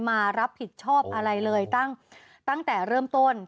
มารับผิดชอบอะไรเลยตั้งแต่เริ่มต้น